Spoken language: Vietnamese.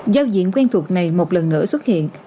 giao diện quen thuộc này một lần nữa xuất hiện